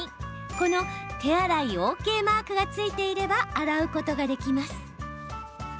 この手洗いＯＫマークがついていれば洗うことができます。